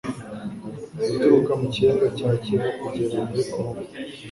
Gaturuka mu kiyaga cya Kivu kugera muri kongo